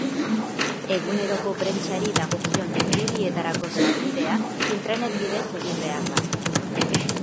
Eguneroko prentsari dagokion irudietarako sarbidea intranet bidez egin behar da.